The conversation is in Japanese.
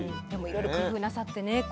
でもいろいろ工夫なさってね